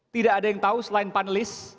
tidak ada yang tahu selain panelis